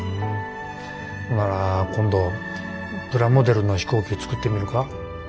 ほなら今度プラモデルの飛行機作ってみるか？